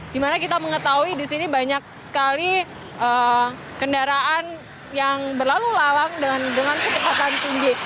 dimana kita mengetahui di sini banyak sekali kendaraan yang berlalu lalang dengan kecepatan tinggi